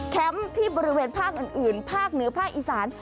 ที่บริเวณภาคอื่นภาคเหนือภาคอีสาน